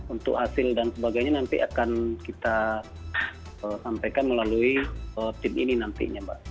untuk hasil dan sebagainya nanti akan kita sampaikan melalui tim ini nantinya mbak